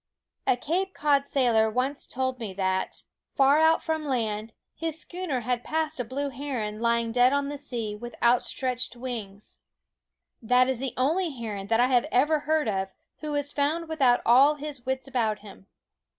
A Cape Cod sailor once told me that, far out from SCHOOL OF Quoskh Keen Eyed land, his schooner had passed a blue heron lying dead on the sea with outstretched wings. That is the only heron that I have ever heard of who was found without all his wits about him.